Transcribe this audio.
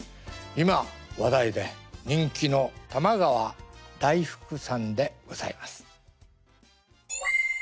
今話題で人気の玉川太福さんでございます。